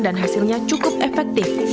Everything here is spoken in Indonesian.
dan hasilnya cukup efektif